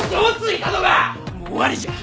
もう終わりじゃ！